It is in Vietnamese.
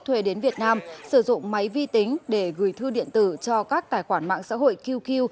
thuê đến việt nam sử dụng máy vi tính để gửi thư điện tử cho các tài khoản mạng xã hội qq